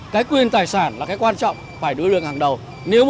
cái quyền tài sản là cái quan trọng phải đối lượng hàng đầu